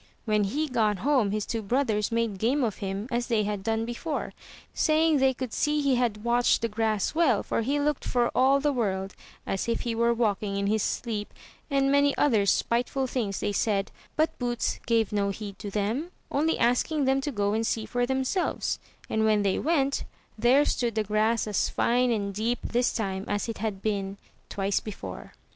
When he got home his two brothers made game of him as they had done before, saying they could see he had watched the grass well, for he looked for all the world as if he were walking in his sleep, and many other spiteful things they said but Boots gave no heed to them, only asking them to S6 THROUGH FAIRY HALLS go and see for themselves; and when they went, there stood the grass as fine and deep this time as it had been twice before.